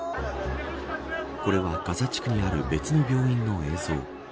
これはガザ地区にある別の病院の映像。